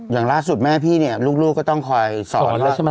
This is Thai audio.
อย่างล่าสุดแม่พี่เนี่ยลูกก็ต้องคอยสอน